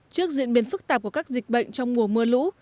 trước diễn biến phức tạp của các dịch bệnh trong mùa mưa lũ